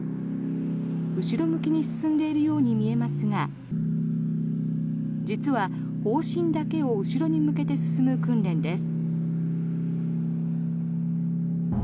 後ろ向きに進んでいるように見えますが実は砲身だけを後ろに向けて進む訓練です。